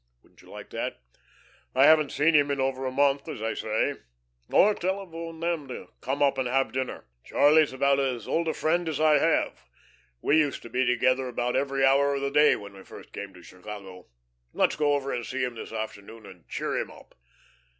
Wouldn't you like to? I haven't seen him in over a month, as I say. Or telephone them to come up and have dinner. Charlie's about as old a friend as I have. We used to be together about every hour of the day when we first came to Chicago. Let's go over to see him this afternoon and cheer him up."